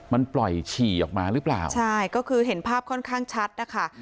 มันปล่อยฉี่ออกมาหรือเปล่าใช่ก็คือเห็นภาพค่อนข้างชัดนะคะ